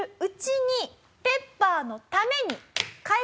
でペッパーのために。